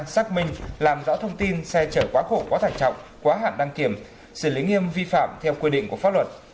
xác minh làm rõ thông tin xe chở quá khổ quá tải trọng quá hạn đăng kiểm xử lý nghiêm vi phạm theo quy định của pháp luật